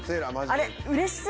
あれ。